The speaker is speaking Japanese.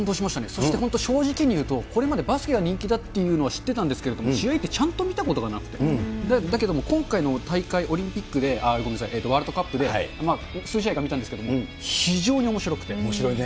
そして本当、正直にいうと、これまでバスケが人気だっていうのは知ってたんですけれども、試合ってちゃんと見たことがなくて、だけども今回の大会、オリンピックで、ごめんなさい、ワールドカップで、数試合見たんですけおもしろいね。